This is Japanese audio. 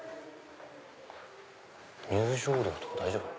入場料とか大丈夫かな。